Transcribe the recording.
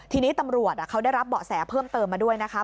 ทีนี้ตำรวจเขาได้รับเบาะแสเพิ่มเติมมาด้วยนะคะ